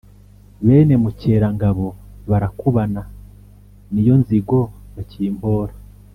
Bene Mukerangabo barakubana, ni yo nzigo bakimpora;